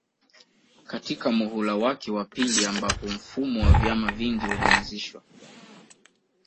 katika muhula wake wa pili ambapo mfumo wa vyama vingi ulianzishwa